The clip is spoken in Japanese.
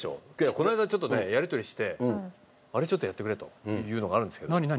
この間ちょっとねやり取りしてあれちょっとやってくれというのがあるんですけど。